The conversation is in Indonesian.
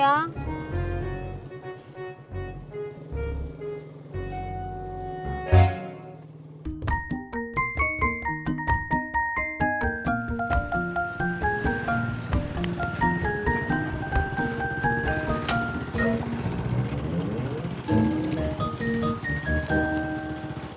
sampai jumpa lagi